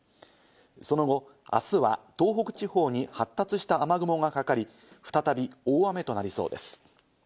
その後、明日は東北地方に発達した雨雲がかかり、再び大雨となりそうです。